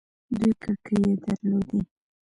دوې کړکۍ يې در لودې.